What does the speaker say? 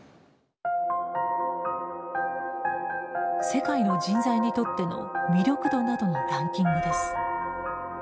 世界の人材にとっての魅力度などのランキングです。